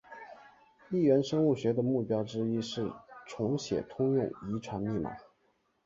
异源生物学的目标之一是重写通用遗传密码。